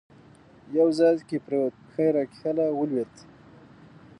یو ځای کې پرېوت، پښه یې راکښله، یې ولیده.